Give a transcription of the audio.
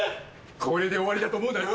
これで終わりだと思うなよ！